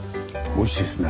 おいしいですね。